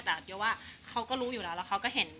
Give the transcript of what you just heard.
แต่เยอะว่าเขาก็รู้อยู่แล้ว